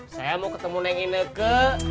saya mau ketemu neng ineke